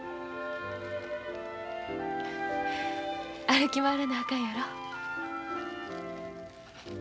歩き回らなあかんやろ。